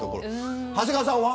長谷川さんは。